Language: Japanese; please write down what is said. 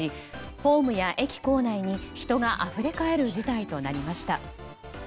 ホームや駅構内に人があふれかえる事態となりました。